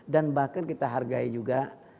dan bahkan kita hargai juga